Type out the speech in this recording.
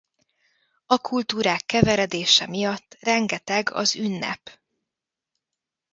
A kultúrák keveredése miatt rengeteg az ünnep.